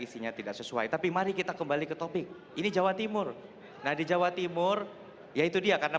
isinya tidak sesuai tapi mari kita kembali ke topik ini jawa timur nah di jawa timur yaitu dia karena